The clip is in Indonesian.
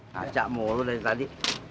ngacak mulu dari tadi